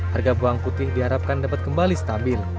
harga bawang putih diharapkan dapat kembali stabil